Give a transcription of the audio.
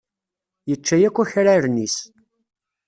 Yečča-as akk akraren-is.